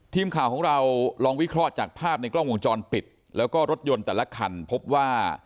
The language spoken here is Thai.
ทีมข่าวของเราลองวิเคราะห์จากภาพในกล้องวงจรปิดแล้วก็รถยนต์แต่ละคันพบว่า